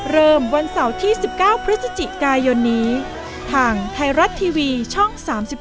เริ่มวันเสาร์ที่๑๙พฤศจิกายนทางไทรัตทีวีช่อง๓๒